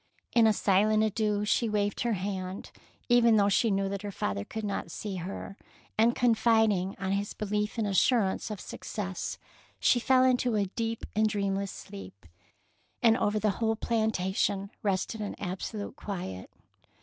In a silent adieu she waved her hand, even though she knew that her father could not see her, and confiding on his belief and assurance of success, she fell 205 DEEDS OF DAKING into a deep and dreamless sleep, and over the whole plantation rested an absolute quiet.